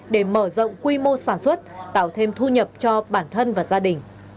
để mở rộng quy mô sản xuất tạo thêm thu nhập cho bản thân và gia đình